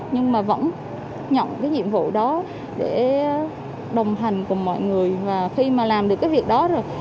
nhưng mà vẫn nhận cái nhiệm vụ đó để đồng hành cùng mọi người và khi mà làm được cái việc đó rồi